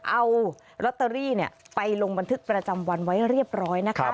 เอาลอตเตอรี่ไปลงบันทึกประจำวันไว้เรียบร้อยนะคะ